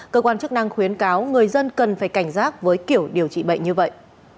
cơ quan chức năng khuyến cáo người dân cần phải cảnh giác với kiểu điều trị bệnh như vậy